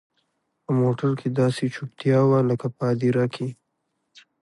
په موټر کښې داسې چوپتيا وه لكه په هديره کښې.